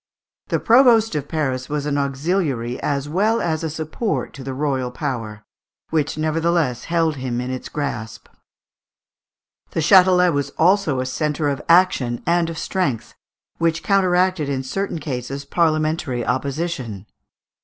The provost of Paris was an auxiliary as well as a support to the royal power, which nevertheless held him in its grasp. The Châtelet was also a centre of action and of strength, which counteracted in certain cases parliamentary opposition.